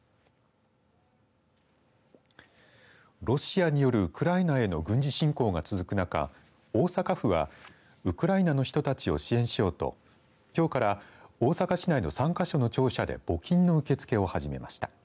ロシアによるウクライナへの軍事侵攻が続く中大阪府はウクライナの人たちを支援しようときょうから大阪市内の３か所の庁舎で募金の受け付けを始めました。